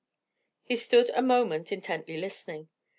He stood a moment intently listening.